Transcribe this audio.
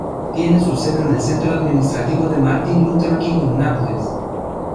Tiene su sede en el Centro Administrativo de Martin Luther King en Naples.